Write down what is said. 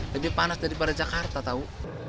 lebih panas daripada jakarta tau